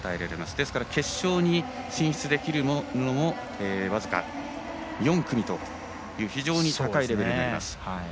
ですから決勝に進出できるのも僅か４組という非常に高いレベルになります。